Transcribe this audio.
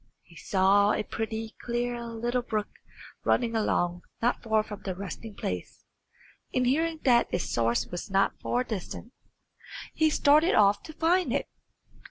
He saw a pretty, clear little brook running along not far from their resting place, and hearing that its source was not far distant, he started off to find it.